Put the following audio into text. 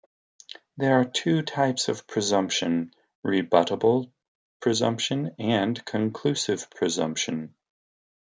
There are two types of presumption: rebuttable presumption and conclusive presumption.